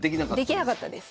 できなかったです。